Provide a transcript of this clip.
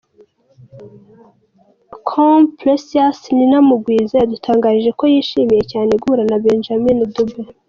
com Precious Nina Mugwiza yadutangarije ko yishimiye cyane guhura na Benjamin Dube.